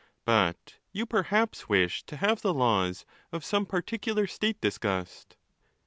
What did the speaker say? But you perhaps wish to have the laws of some particular state discussed.